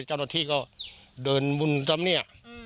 จอโน้ทที่ก็เดินบนซ้ำพี่